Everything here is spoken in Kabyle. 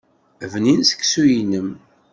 Bnin seksu-inem.